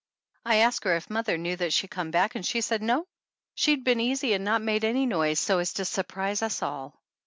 I asked her if mother knew that she come back and she said no, she had been easy and not made any noise, so as to surprise us all.